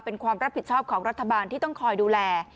เป็นความรับผิดชอบของรัฐบาลที่ต้องคอยดูแล